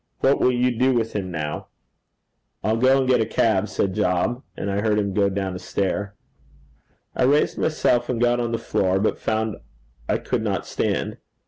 What will you do with him now?' 'I'll go and get a cab,' said Job; and I heard him go down a stair. I raised myself, and got on the floor, but found I could not stand.